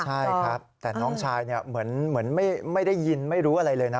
ใช่ครับแต่น้องชายเหมือนไม่ได้ยินไม่รู้อะไรเลยนะ